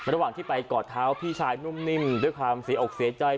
ระหว่างที่ไปกอดเท้าพี่ชายนุ่มนิ่มด้วยความเสียอกเสียใจ